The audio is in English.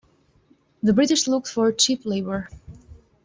The British looked for cheap labour.